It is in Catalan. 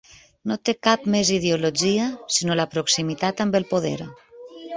No té cap més ideologia sinó la proximitat amb el poder.